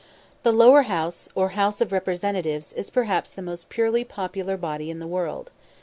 The Lower House, or House of Representatives, is perhaps the most purely popular body in the world.